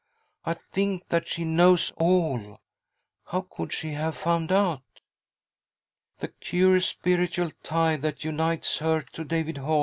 I think that she knows all. How could she have found out? " The curious spiritual tie that unites her to David •